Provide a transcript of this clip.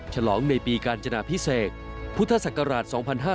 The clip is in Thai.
ฉลองในปีกาญจนาพิเศษพุทธศักราช๒๕๕๙